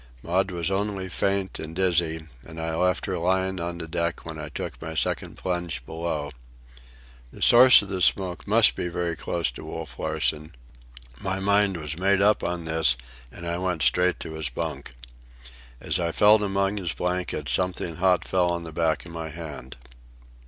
Maud was only faint and dizzy, and I left her lying on the deck when I took my second plunge below. The source of the smoke must be very close to Wolf Larsen—my mind was made up to this, and I went straight to his bunk. As I felt about among his blankets, something hot fell on the back of my hand.